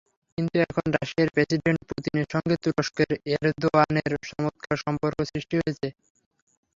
কিন্তু এখন রাশিয়ার প্রেসিডেন্ট পুতিনের সঙ্গে তুরস্কের এরদোয়ানের চমৎকার সম্পর্ক সৃষ্টি হয়েছে।